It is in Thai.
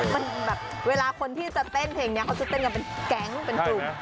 มันแบบเวลาคนที่จะเต้นเพลงนี้เค้าจะเต้นกับแก๊งเป็นจุบ